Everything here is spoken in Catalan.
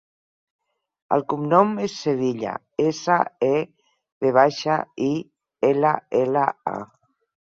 El cognom és Sevilla: essa, e, ve baixa, i, ela, ela, a.